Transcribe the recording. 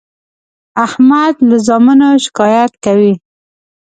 احمد له زامنو شکایت کوي.